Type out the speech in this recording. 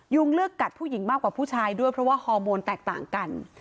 งเลือกกัดผู้หญิงมากกว่าผู้ชายด้วยเพราะว่าฮอร์โมนแตกต่างกัน